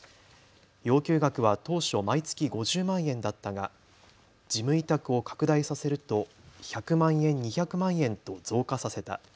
要求額は当初、毎月５０万円だったが事務委託を拡大させると１００万円、２００万円と増加させた。